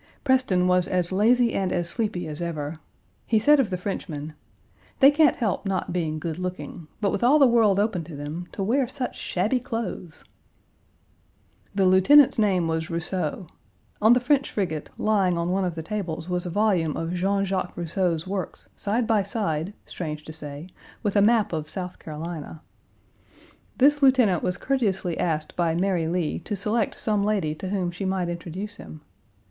Preston was as lazy and as sleepy as ever. He said of the Frenchmen: "They can't help not being good looking, but with all the world open to them, to wear such shabby clothes!" The lieutenant's name was Rousseau. On the French frigate, lying on one of the tables was a volume of Jean Jacques Rousseau's works, side by side, strange to say, with a map of South Carolina. This lieutenant was courteously asked by Mary Lee to select some lady to whom she might introduce him.